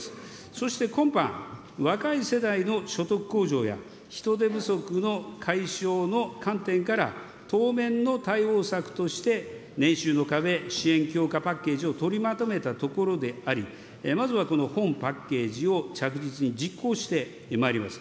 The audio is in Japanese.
そして今般、若い世代の所得控除や人手不足の解消の観点から、当面の対応策として、年収の壁・支援強化パッケージを取りまとめたところであり、まずはこの本パッケージを着実に実行してまいります。